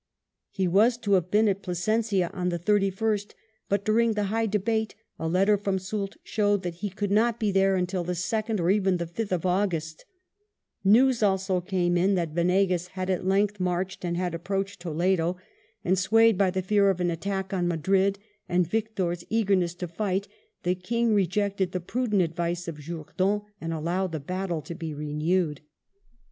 He was to have been at Plasencia on the 31st, but during the high debate a letter from Soult showed that he could not be there until the 2nd or even the 5th of August, News also came in that Venegas had at length marched, and had approached Toledo ; and swayed by fear of an attack on Madrid and Victor's eagerness to fight, the King rejected the prudent advice of Jourdan and allowed the battle to be renewed.